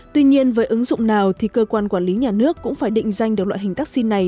tuy nhiên với ứng dụng nào thì cơ quan quản lý nhà nước cũng phải định danh được loại hình taxi này